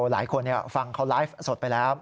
หลายคนฟังเขาไลฟ์สดไปแล้ว